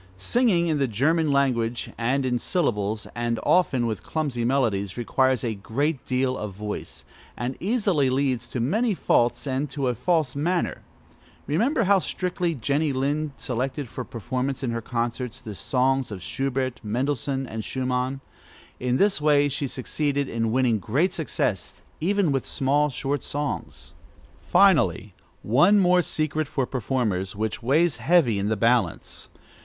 Singing in the German language, and in syllables, and often with clumsy melodies, requires a great deal of voice, and easily leads to many faults and to a false manner. Remember how strictly Jenny Lind selected, for performance in her concerts, the songs of Schubert, Mendelssohn, and Schumann. In this way she succeeded in winning great success, even with small, short songs. Finally, one more secret for performers, which weighs heavy in the balance.